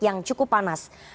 yang cukup panas